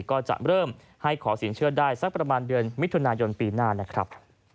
ก็จะเริ่มให้ขอสินเชื่อได้สักประมาณเดือนมิถุนายนปีหน้านะครับ